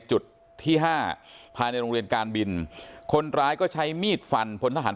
จุดที่ห้าภายในโรงเรียนการบินคนร้ายก็ใช้มีดฟันพลทหาร